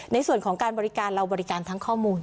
ในส่วนของการบริการเราบริการทั้งข้อมูล